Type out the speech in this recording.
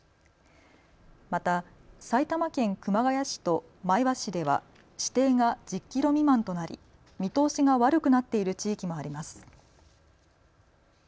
また埼玉県熊谷市と前橋市では視程が１０キロ未満となり見通しが悪くなっている地域もあります。